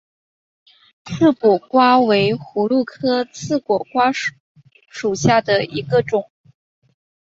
刺果瓜为葫芦科刺果瓜属下的一个种。